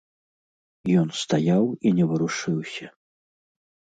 Ён стаяў і не варушыўся.